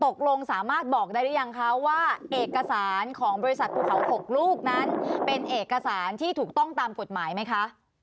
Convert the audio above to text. ตกลงสามารถบอกได้หรือยังคะว่าเอกสารของบริษัทภูเขา๖ลูกนั้นเป็นเอกสารที่ถูกต้องตามกฎหมายไหมคะ